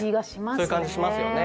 そういう感じしますよね。